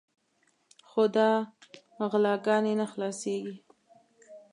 خو دا غلاګانې نه خلاصېږي.